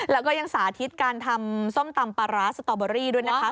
แล้วก็ยังสาธิตการทำส้มตำปลาร้าสตอเบอรี่ด้วยนะคะ